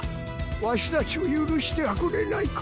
わしたちを許してはくれないか。